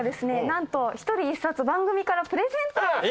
なんと１人１冊番組からプレゼントを。